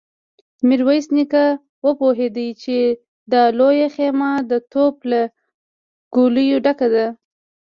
ميرويس نيکه وپوهيد چې دا لويه خيمه د توپ له ګوليو ډکه ده.